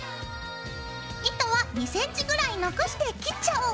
糸は２ｃｍぐらい残して切っちゃおう！